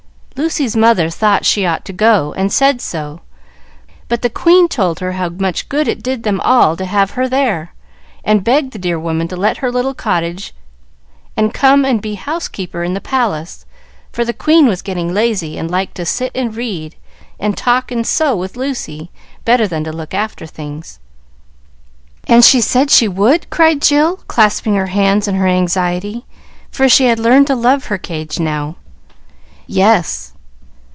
"Lucy's mother thought she ought to go, and said so, but the queen told her how much good it did them all to have her there, and begged the dear woman to let her little cottage and come and be housekeeper in the palace, for the queen was getting lazy, and liked to sit and read, and talk and sew with Lucy, better than to look after things." "And she said she would?" cried Jill, clasping her hands in her anxiety, for she had learned to love her cage now. "Yes."